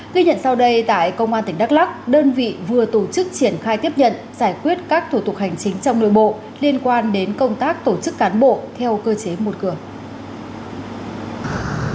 ghi nhận sau đây tại công an tỉnh đắk lắc đơn vị vừa tổ chức triển khai tiếp nhận giải quyết các thủ tục hành chính trong nội bộ liên quan đến công tác tổ chức cán bộ theo cơ chế một cửa